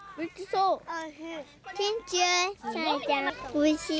おいしい。